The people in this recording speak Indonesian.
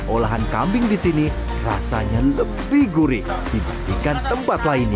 olahan kambing di sini rasanya lebih gurih dibandingkan tempat lainnya